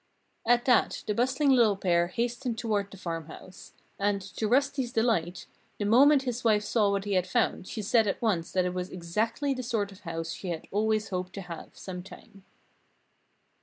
At that the bustling little pair hastened toward the farmhouse. And, to Rusty's delight, the moment his wife saw what he had found she said at once that it was exactly the sort of house she had always hoped to have, some time.